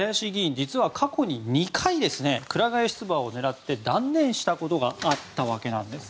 実は過去に２回くら替え出馬を狙って断念したことがあったわけです。